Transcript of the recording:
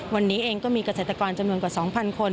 วันนี้เองก็มีเกษตรกรจำนวนกว่า๒๐๐คน